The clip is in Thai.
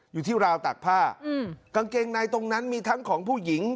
อยู่ที่ราวตากผ้ากางเกงในตรงนั้นมีทั้งของผู้หญิง